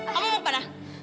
kamu mau kemana